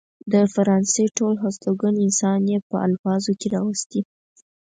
د فرانسې ټول هستوګن انسان يې په الفاظو کې راوستي.